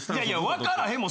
分からへんもん。